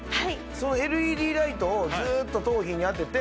そのＬＥＤライトをずーっと頭皮に当てて。